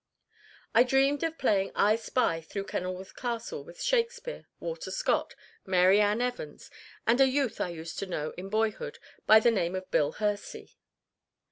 I dreamed of playing "I spy" through Kenilworth Castle with Shakespeare, Walter Scott, Mary Ann Evans and a youth I used to know in boyhood by the name of Bill Hursey.